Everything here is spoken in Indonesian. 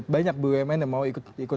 banyak bumn yang mau ikut